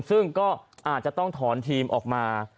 ซึ่งก็อาจจะต้องถอนทีมออกมา